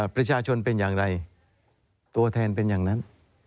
ประชาชนเป็นอย่างไรตัวแทนเป็นอย่างนั้น